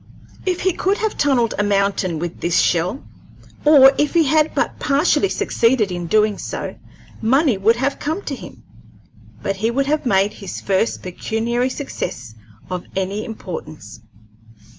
If he could have tunnelled a mountain with this shell, or if he had but partially succeeded in so doing, money would have come to him. He would have made his first pecuniary success of any importance.